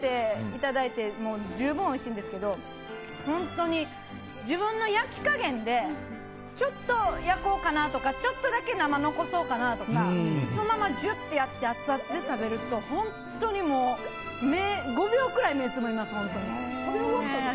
これ本当に今、丼の状態で食べていただいて十分おいしいんですけど本当に自分の焼き加減でちょっと焼こうかなとかちょっと生残そうかなとかそのままジュッとやってアツアツで食べると本当に５秒くらい目つぶります。